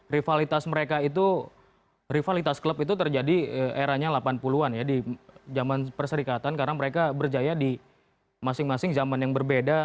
rivalitas mereka itu rivalitas klub itu terjadi eranya delapan puluh an ya di zaman perserikatan karena mereka berjaya di masing masing zaman yang berbeda